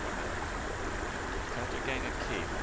from it; Katanga Cape, S.